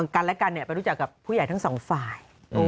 กันและกันไปรู้จักกับผู้ใหญ่ทั้งสองฝ่าย